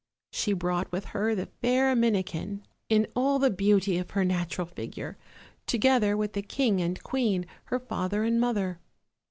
She brought with her the fair Minikin, in all the beauty of her 318 OLD, OLD FAIRY TALES. natural figure, together with the king and queen, her father and mother.